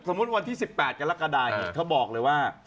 สมมุติวัน๑๘กรกฎาเขาบอกเลยว่า